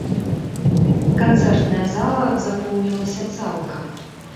Канцэртная зала запоўнілася цалкам.